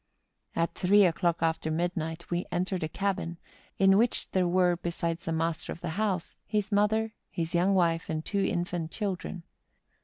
At three o'clock after midnight we en¬ tered a cabin, in which there were, besides the master of the house, his mother, his young wife, and two infant children.